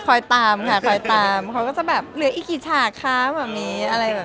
ตามค่ะคอยตามเขาก็จะแบบเหลืออีกกี่ฉากคะแบบนี้อะไรแบบ